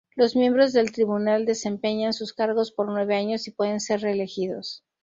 Los miembros del Tribunal desempeñan sus cargos por nueve años y pueden ser reelegidos.